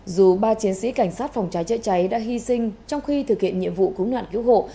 dù ba chiến sĩ cảnh sát phòng cháy chữa cháy đã hy sinh trong khi thực hiện nhiệm vụ cứu nạn cứu hộ